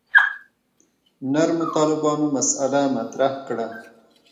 نرمو طالبانو مسأله مطرح کړه.